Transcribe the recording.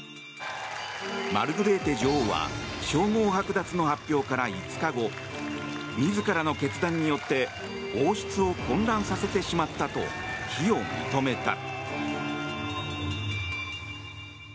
マルグレーテ女王は称号剥奪の発表から５日後自らの決断によって王室を混乱させてしまったと非を認めた。